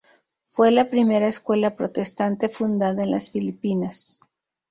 Fue la primera escuela protestante fundada en las Filipinas.